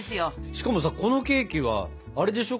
しかもさこのケーキはあれでしょ。